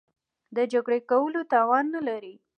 د جګړې کولو توان نه لري.